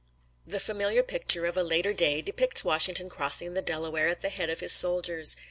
The familiar picture of a later day depicts Washington crossing the Delaware at the head of his soldiers.